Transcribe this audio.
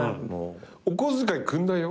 お小遣いくんないよ。